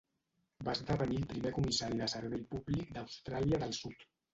Va esdevenir el primer Comissari de Servei Públic d'Austràlia del Sud.